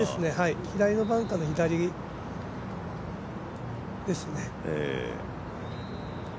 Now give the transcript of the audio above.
左のバンカーの左ですね。